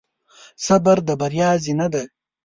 صبر د بریا زینه ده.